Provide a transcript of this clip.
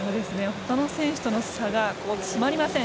ほかの選手との差が詰まりません。